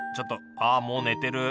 あもう寝てる。